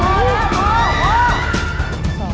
พอแล้วพอแล้วพอ